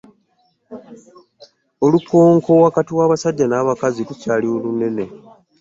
Olukonko wakati wa basajja na bakazi lukyali lunene.